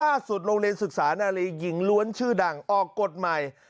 โรงเรียนศึกษานาลีหญิงล้วนชื่อดังออกกฎใหม่